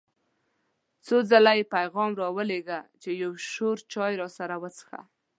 څو ځله یې پیغام را ولېږه چې یو شور چای راسره وڅښه.